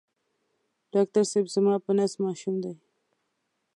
ډاکټر صېب زما په نس ماشوم دی